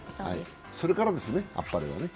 それからですね、あっぱれはね。